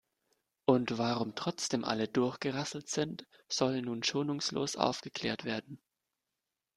Und warum trotzdem alle durchgerasselt sind, soll nun schonungslos aufgeklärt werden.